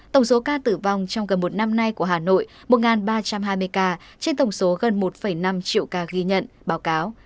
tổng số ca tử vong trong gần một năm nay của hà nội một ba trăm hai mươi ca trên tổng số gần một năm triệu ca ghi nhận báo cáo